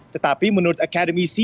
tetapi menurut akademiknya